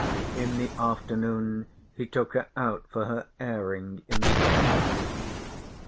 In the afternoon he took her out for her airing in the garden.